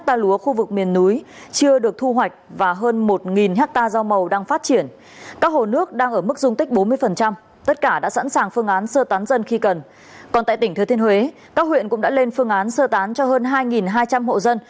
còn tại tỉnh thừa thiên huế các huyện cũng đã lên phương án sơ tán cho hơn hai hai trăm linh hộ dân